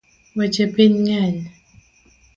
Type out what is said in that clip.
Weche piny ng’eny